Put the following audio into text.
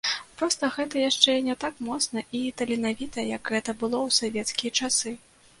Проста гэта яшчэ не так моцна і таленавіта, як гэта было ў савецкія часы.